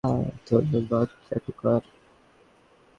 ধন্যবাদ, চাটুকার।